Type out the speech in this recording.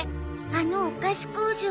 あのお菓子工場よ。